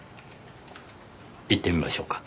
行ってみましょうか。